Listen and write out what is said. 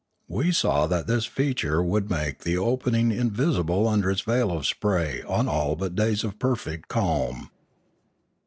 We saw that this feature would make the open ing invisible under its veil of spray on all but days of perfect calm.